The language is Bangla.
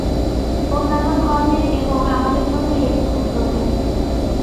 অন্যান্য ধর্মে এবং আমাদের ধর্মে এইটুকুই প্রভেদ।